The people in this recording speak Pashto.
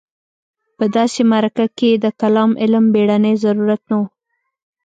په داسې معرکه کې د کلام علم بېړنی ضرورت نه و.